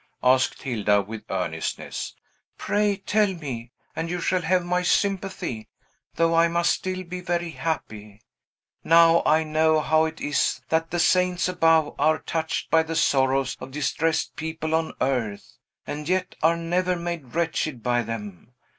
asked Hilda with earnestness. "Pray tell me, and you shall have my sympathy, though I must still be very happy. Now I know how it is that the saints above are touched by the sorrows of distressed people on earth, and yet are never made wretched by them.